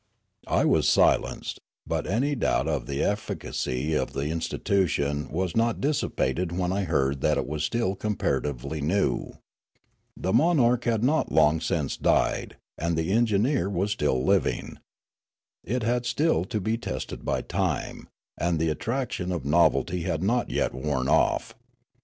I was silenced ; but any doubt of the efficacy of the institution was not dissipated when I heard that it was still comparatively new. The monarch had not long since died, and the engineer was still living. It had still to be tested by time, and the attraction of novelty had not yet worn off.